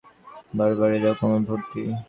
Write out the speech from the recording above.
ঘরগুলি দামি আসবাবে ভরতি, বাড়াবাড়ি রকমে ভরতি।